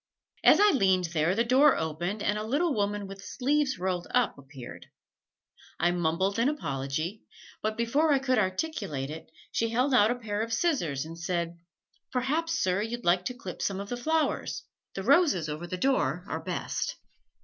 As I leaned there the door opened and a little woman with sleeves rolled up appeared. I mumbled an apology, but before I could articulate it, she held out a pair of scissors and said, "Perhaps, sir, you'd like to clip some of the flowers the roses over the door are best!"